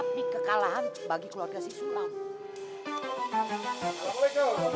tapi kekalahan bagi keluarga si sulam